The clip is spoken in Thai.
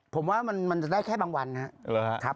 ผมว่ามันจะได้แค่บางวันนะครับ